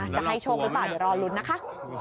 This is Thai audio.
จะให้โชคหรือเปล่าเดี๋ยวรอลุ้นนะคะ